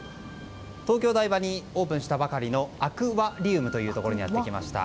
東京・台場にオープンしたばかりのアク和リウムというところにやって来ました。